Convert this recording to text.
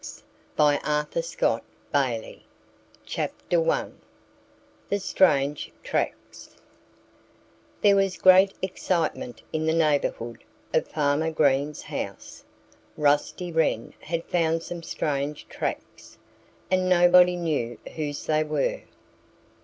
A BRIDEGROOM 115 THE TALE OF DADDY LONGLEGS I THE STRANGE TRACKS THERE was great excitement in the neighborhood of Farmer Green's house. Rusty Wren had found some strange tracks. And nobody knew whose they were.